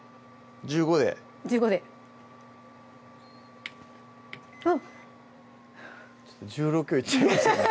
１５で１５でちょっと１６いっちゃいました